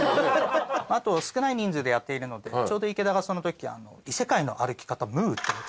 あと少ない人数でやっているのでちょうど池田がその時『異世界の歩き方ムー』というのを作ってまして。